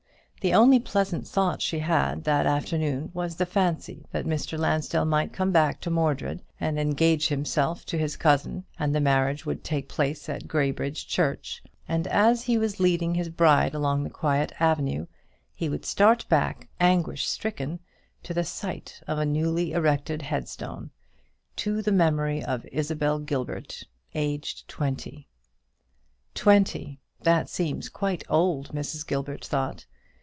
The only pleasant thought she had that afternoon was the fancy that Mr. Lansdell might come back to Mordred, and engage himself to his cousin, and the marriage would take place at Graybridge church; and as he was leading his bride along the quiet avenue, he would start back, anguish stricken, at the sight of a newly erected headstone "To the memory of Isabel Gilbert, aged 20." 20! that seemed quite old, Mrs. Gilbert thought.